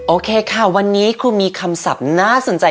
โอเคค่ะวันนี้ครูมีคำศัพท์น่าสนใจ